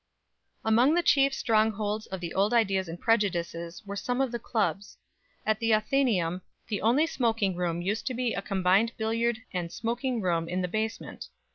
Among the chief strongholds of the old ideas and prejudices were some of the clubs. At the Athenæum the only smoking room used to be a combined billiard and smoking room in the basement.